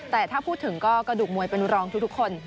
แต่ถ้าพูดถึงก็กระดูกมวยเป็นรองทุกคน